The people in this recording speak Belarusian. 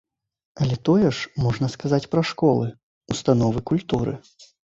Але тое ж можна сказаць пра школы, установы культуры.